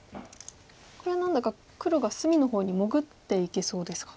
これは何だか黒が隅の方に潜っていけそうですか。